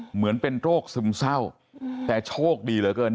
เหมือนเป็นโรคซึมเศร้าแต่โชคดีเหลือเกิน